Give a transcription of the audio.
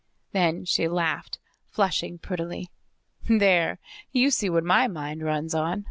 Then she laughed, flushing prettily. "There! You see what my mind runs on.